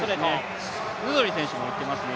ヌドリ選手もいっていますね